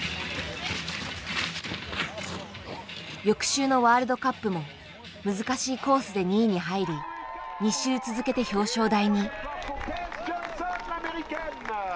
翌週のワールドカップも難しいコースで２位に入り２週続けて表彰台に。